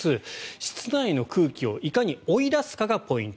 室内の空気をいかに追い出すかがポイント